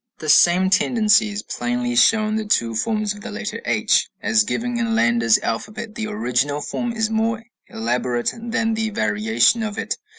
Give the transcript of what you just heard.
The same tendency is plainly shown in the two forms of the letter h, as given in Landa's alphabet; the original form is more elaborate than the variation of it.